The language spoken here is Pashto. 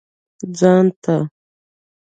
ځان ته.